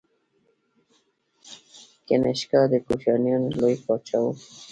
کنیشکا د کوشانیانو لوی پاچا و.